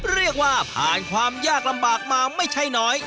เรียกว่าผ่านความยากลำบากมาไม่ใช่น้อย